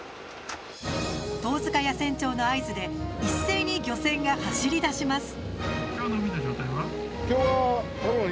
遠塚谷船長の合図で一斉に漁船が走り出します。